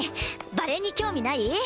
バレーに興味ない？